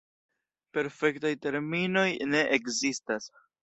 Perfektaj terminoj ne ekzistas.